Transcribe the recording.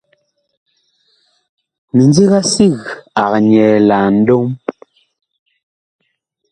Mindiga sig ag nyɛɛ Nlom.